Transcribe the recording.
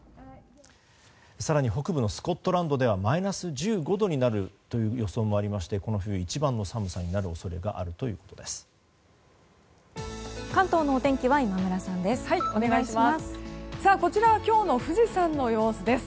更に北部のスコットランドではマイナス１５度になるという予想もありましてこの冬一番の寒さになる恐れがあるということです。